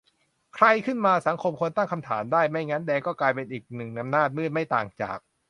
ใครขึ้นมา สังคมควรตั้งคำถามได้ ไม่งั้นแดงก็กลายเป็นอีกหนึ่งอำนาจมืด ไม่ต่างจาก